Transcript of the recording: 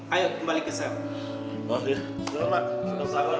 ayo kembali ke sel